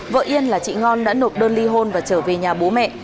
vợ yên là chị ngon đã nộp đơn ly hôn và trở về nhà bố mẹ